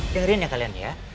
dengarin ya kalian ya